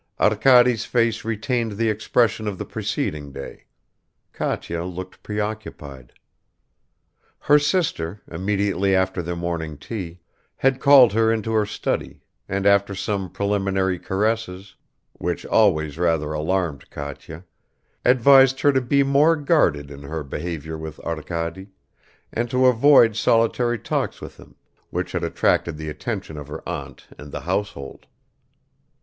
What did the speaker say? Arkady's face retained the expression of the preceding day; Katya looked preoccupied. Her sister, immediately after their morning tea, had called her into her study, and after some preliminary caresses which always rather alarmed Katya advised her to be more guarded in her behavior with Arkady, and to avoid solitary talks with him, which had attracted the attention of her aunt and the household.